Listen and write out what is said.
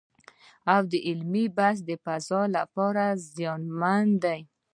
او د علمي بحث د فضا لپاره زیانمن دی